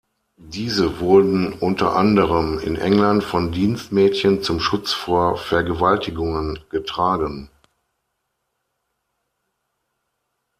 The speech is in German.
Diese wurden unter anderem in England von Dienstmädchen zum Schutz vor Vergewaltigungen getragen.